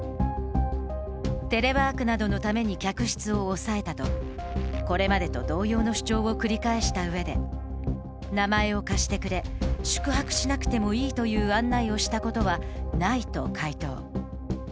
テレワークなどのために客室を抑えたと、これまでと同様の主張を繰り返したうえで名前を貸してくれ、宿泊しなくてもいいという案内をしたことはないと回答。